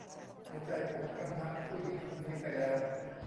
หัวใจผมคำนับผู้หญิงคนนี้ไปแล้ว